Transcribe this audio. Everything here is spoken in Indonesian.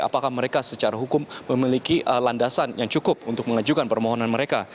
apakah mereka secara hukum memiliki landasan yang cukup untuk mengajukan permohonan mereka